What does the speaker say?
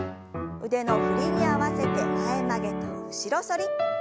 腕の振りに合わせて前曲げと後ろ反り。